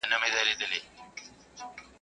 عطار وځغستل ګنجي پسي روان سو.